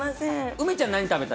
梅ちゃん、何食べた？